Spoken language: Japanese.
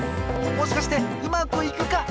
もしかしてうまくいくか！？